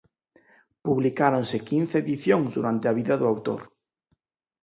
Publicáronse quince edicións durante a vida do autor.